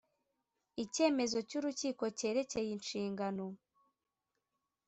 icyemezo cy’urukiko cyerekeye inshingano